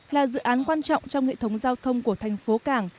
là dự án quan trọng trong hệ thống giao thông của thành phố cảng